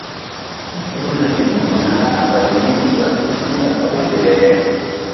Gunri lah ɓay ye ɓa ketina ɓay fe le.